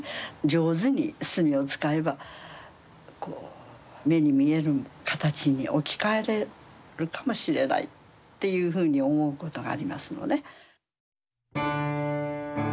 上手に墨を使えばこう目に見える形に置き換えれるかもしれないっていうふうに思うことがありますのね。